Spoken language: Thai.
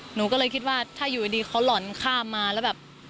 หนูก็เลยคิดว่าถ้าอยู่ดีเขาหล่อนข้ามมาแล้วแบบ